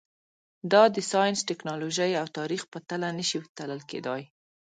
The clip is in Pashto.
دا د ساینس، ټکنالوژۍ او تاریخ په تله نه شي تلل کېدای.